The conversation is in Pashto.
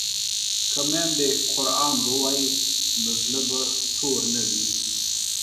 که میندې قران ووايي نو زړه به تور نه وي.